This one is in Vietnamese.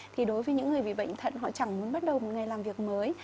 thì đối với những người bị bệnh thận họ chẳng muốn bắt đầu một ngày làm việc mới